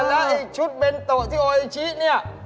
และชุดเบนโต๊ะที่โออีชินี่